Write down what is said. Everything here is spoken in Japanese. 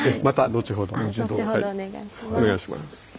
後ほどお願いします。